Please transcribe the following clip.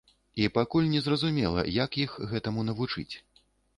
І пакуль незразумела, як іх гэтаму навучыць.